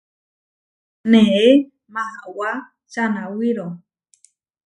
Neé Mahawá čanawíro.